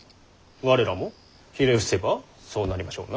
我らもひれ伏せばそうなりましょうな。